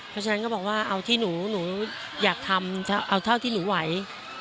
เพราะฉะนั้นก็บอกว่าเอาที่หนูหนูอยากทำเอาเท่าที่หนูไหว